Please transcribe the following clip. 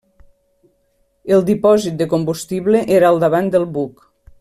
El dipòsit de combustible era al davant del buc.